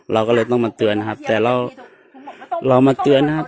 เราก็เลยต้องมาเตือนนะครับแต่เราเรามาเตือนนะครับ